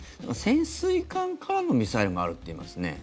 潜水艦からのミサイルもあるっていいますね。